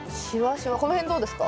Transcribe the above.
この辺どうですか？